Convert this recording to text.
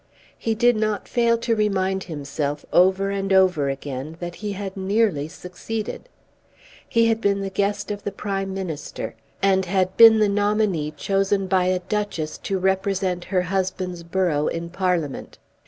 He did not fail to remind himself over and over again that he had nearly succeeded. He had been the guest of the Prime Minister, and had been the nominee chosen by a Duchess to represent her husband's borough in Parliament.